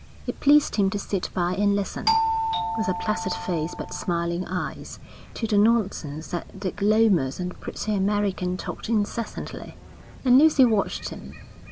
It pleased him to sit by and listen, with a placid face but smiling eyes, to the nonsense that Dick Lomas and the pretty American talked incessantly. And Lucy watched him.